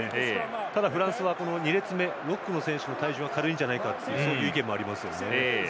ただ、フランスは２列目ロックの選手の体重が軽いんじゃないかという意見もありますね。